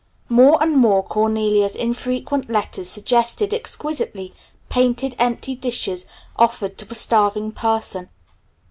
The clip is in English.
More and more Cornelia's infrequent letters suggested exquisitely painted empty dishes offered to a starving person.